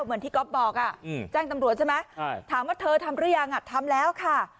เหมือนที่ก๊อฟบอกแจ้งตำรวจใช่ไหมถามว่าเธอทำหรือยังทำแล้วค่ะ